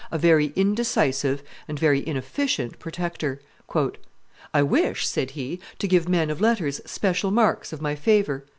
a very indecisive and very inefficient protector. "I wish," said he, "to give men of letters special marks of my favor."